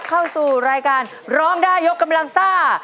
เข้าสู่รายการร้องได้ยกกำลังซ่า